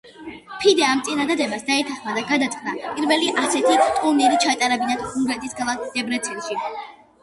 ფიდე ამ წინადადებას დაეთანხმა და გადაწყდა პირველი ასეთი ტურნირი ჩაეტარებინათ უნგრეთის ქალაქ დებრეცენში.